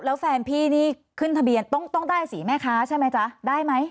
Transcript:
แล้วแฟนพี่นี่ขึ้นทะเบียนต้องได้สีแม่ค้าใช่ไหมจ๊ะได้ไหม